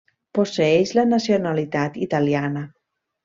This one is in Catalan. Posseeix la nacionalitat italiana.